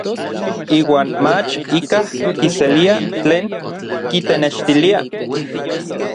Iuan mach ikaj kiselia tlen kitenextilia.